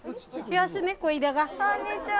こんにちは。